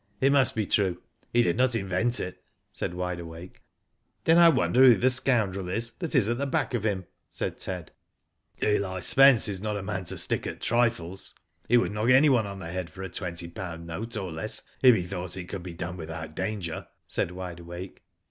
It must be true. He did not invent it," said Wide Awake. "Then I wonder who the scoundrel is that is at the back of him ?" said Ted. Digitized byGoogk THE BIG DROUGHT, 189. EU Spcnce is not a man to stick at trifles. He would knock anyone on the head for a twenty pound note or less if he thought it could be done without danger," said Wide Awake.